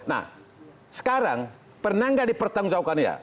nah sekarang pernah nggak dipertanggungjawabkan ya